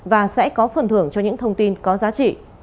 và sẽ có phần thưởng cho những thông tin có giá trị